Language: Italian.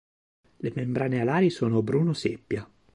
Le membrane alari sono bruno seppia.